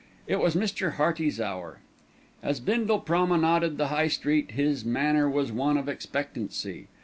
It was Mr. Hearty's hour. As Bindle promenaded the High Street, his manner was one of expectancy.